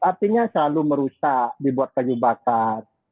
artinya selalu merusak dibuat percubaan